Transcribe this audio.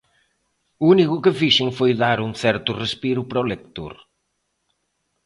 O único que fixen foi dar un certo respiro para o lector.